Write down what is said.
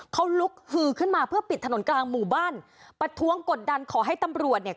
เขาลุกฮือขึ้นมาเพื่อปิดถนนกลางหมู่บ้านประท้วงกดดันขอให้ตำรวจเนี่ย